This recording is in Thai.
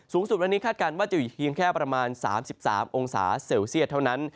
สูงสุดวันนี้คาดการณ์ว่าจะอยู่เพียงแค่ประมาณ๓๓องศาเซลเซียตเท่านั้น